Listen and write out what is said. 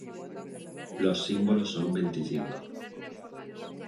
Los símbolos son veinticinco.